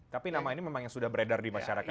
tapi nama ini memang yang sudah beredar di masyarakat